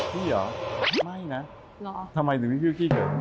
พี่เหรอไม่นะทำไมถึงมีชื่อขี้เกิด